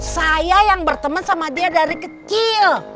saya yang berteman sama dia dari kecil